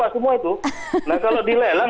semua itu nah kalau di lelang